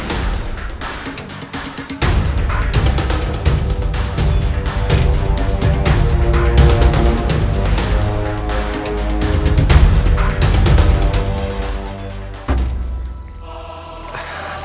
jalan jalan jalan jalan